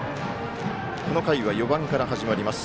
この回は４番から始まります。